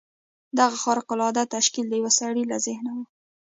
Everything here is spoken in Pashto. دغه خارق العاده تشکیل د یوه سړي له ذهنه و